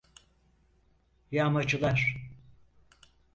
Yağmacılar…